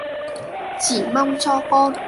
Chỉ mong cho con